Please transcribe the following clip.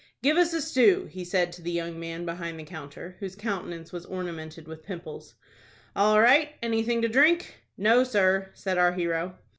"Give us a stew," he said to a young man behind the counter, whose countenance was ornamented with pimples. "All right. Anything to drink?" "No sir," said our hero.